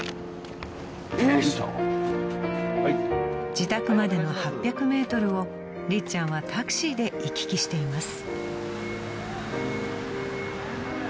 ［自宅までの８００ｍをりっちゃんはタクシーで行き来しています］